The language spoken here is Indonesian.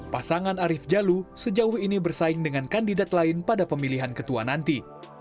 pasangan arief jalu sejauh ini bersaing dengan kandidat lain pada pemilihan ketua nanti